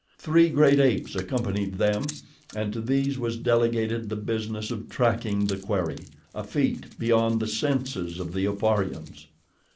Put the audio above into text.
Three great apes accompanied them and to these was delegated the business of tracking the quarry, a feat beyond the senses of the Oparians.